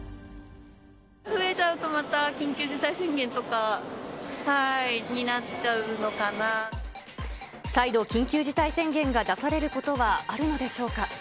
増えちゃうとまた緊急事態宣再度、緊急事態宣言が出されることはあるのでしょうか。